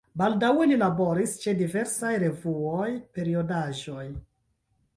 Baldaŭe li laboris ĉe diversaj revuoj, periodaĵoj.